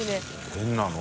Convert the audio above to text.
変なの。